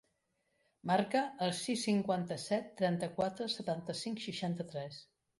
Marca el sis, cinquanta-set, trenta-quatre, setanta-cinc, seixanta-tres.